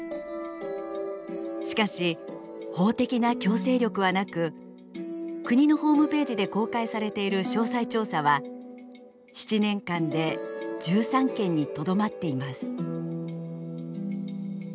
しかし法的な強制力はなく国のホームページで公開されている詳細調査は７年間で１３件にとどまっています。